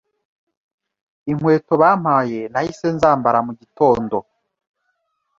Inkweto bampaye nahise nzambara mu gitondo '